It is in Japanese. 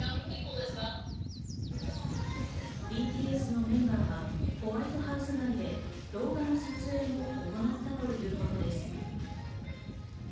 ＢＴＳのメンバーはホワイトハウス内で動画の撮影も行ったということです。